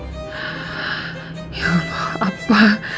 ya allah apa